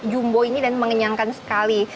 jumbo ini dan mengenyangkan sekali